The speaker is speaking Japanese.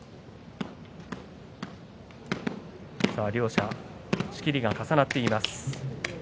両者、仕切りが重なっています。